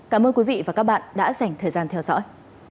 cảm ơn quý vị và các bạn đã dành thời gian theo dõi